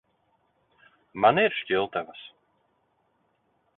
Man ir šķiltavas.